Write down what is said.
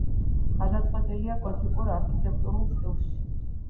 გადაწყვეტილია გოთიკურ არქიტექტურულ სტილში.